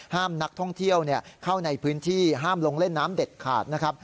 นักท่องเที่ยวเข้าในพื้นที่ห้ามลงเล่นน้ำเด็ดขาดนะครับ